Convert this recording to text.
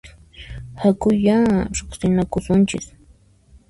Hakuyá riqsinakusunchis!